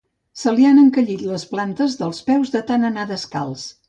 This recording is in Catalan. Se li han encallit les plantes dels peus de tant d'anar descalç.